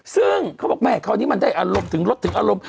ซึ่งเขาบอกแม่คราวนี้มันได้อารมณ์ถึงรถถึงอารมณ์